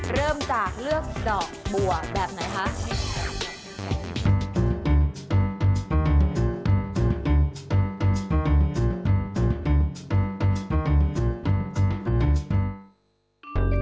เริ่มจากเลือกดอกบัวแบบไหนคะ